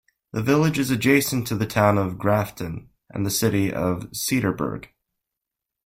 The village is adjacent to the Town of Grafton and the city of Cedarburg.